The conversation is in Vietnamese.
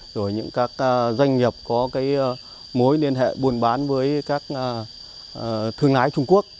rồi những các doanh nghiệp có cái mối liên hệ buôn bán với các thương lái trung quốc